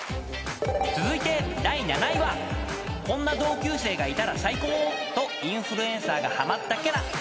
［続いて第７位はこんな同級生がいたら最高とインフルエンサーがはまったキャラ］